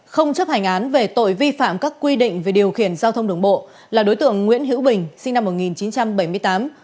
không chấp hành án về tội vi phạm các quy định về điều khiển giao thông đường bộ là đối tượng nguyễn hữu bình sinh năm một nghìn chín trăm bảy mươi tám